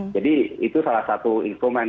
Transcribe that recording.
jadi itu salah satu instrumen